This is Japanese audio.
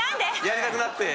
やりたくなって？